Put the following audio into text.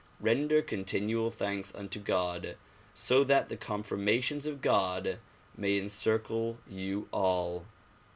Render continual thanks unto God so that the confirmations of God may encircle you all.